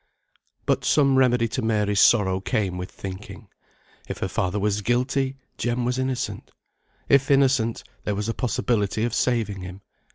But some remedy to Mary's sorrow came with thinking. If her father was guilty, Jem was innocent. If innocent, there was a possibility of saving him.